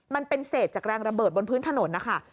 มันเป็นเศษจากแรงระเบิดบนพื้นถนนนะคะ